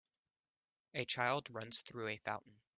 A Child runs through a fountain.